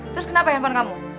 terus kenapa jemput kamu